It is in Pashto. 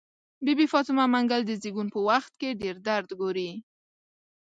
بي بي فاطمه منګل د زيږون په وخت کې ډير درد ګوري.